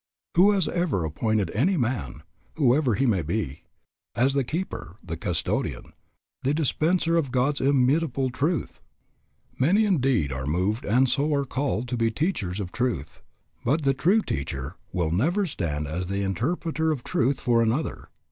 Who has ever appointed any man, whoever he may be, as the keeper, the custodian, the dispenser of God's illimitable truth? Many indeed are moved and so are called to be teachers of truth; but the true teacher will never stand as the interpreter of truth for another.